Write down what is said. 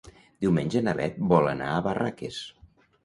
Diumenge na Bet vol anar a Barraques.